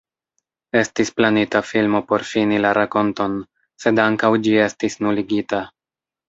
Estis planita filmo por fini la rakonton, sed ankaŭ ĝi estis nuligita.